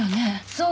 そう。